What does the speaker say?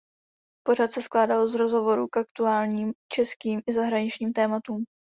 Pořad se skládal z rozhovorů k aktuálním českým i zahraničním tématům.